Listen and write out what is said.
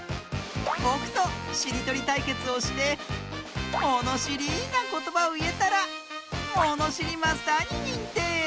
ぼくとしりとりたいけつをしてものしりなことばをいえたらものしりマスターににんてい！